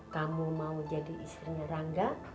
kamu mau jadi istrinya rangga